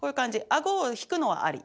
顎を引くのはあり。